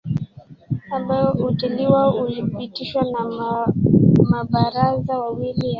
ambao ulitiliwa ulipitishwa na mabaraza mawili ya